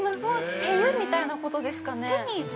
◆手湯みたいなことですかね。